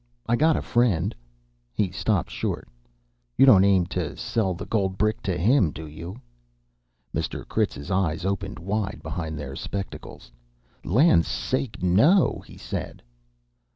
I got a friend " He stopped short. "You don't aim to sell the gold brick to him, do you?" Mr. Critz's eyes opened wide behind their spectacles. "Land's sakes, no!" he said.